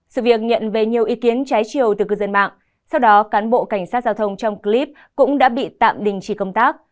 sự việc nhận về nhiều ý kiến trái chiều từ cư dân mạng sau đó cán bộ cảnh sát giao thông trong clip cũng đã bị tạm đình chỉ công tác